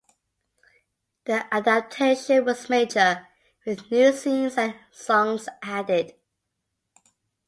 The adaptation was major, with new scenes and songs added.